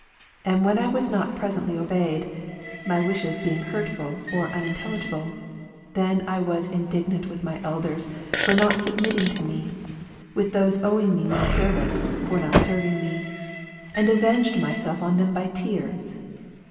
And when I was not presently obeyed, (my wishes being hurtful or unintelligible,) then I was indignant with my elders for not submitting to me, with those owing me no service, for not serving me ; and avenged myself on them by tears.